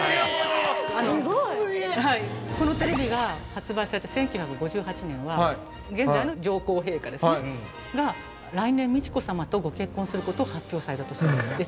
このテレビが発売された１９５８年は、現在の上皇陛下が来年美智子さまとご結婚することを発表された年です。